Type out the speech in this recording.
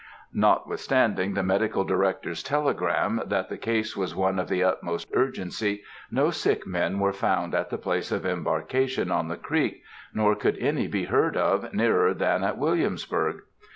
Notwithstanding the Medical Director's telegram, that the case was one of the "utmost urgency," no sick men were found at the place of embarkation on the creek, nor could any be heard of nearer than at Williamsburg.